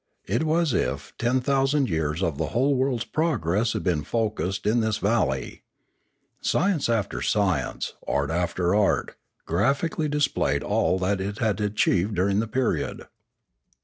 It was as if ten thousand years of the whole world's progress had been focussed in this val ley. Science after science, art after art, graphically 548 Limanora displayed all that it had achieved during the period.